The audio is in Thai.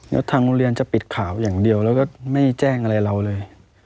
แล้วทางโรงเรียนจะปิดข่าวอย่างเดียวแล้วก็ไม่แจ้งอะไรเราเลย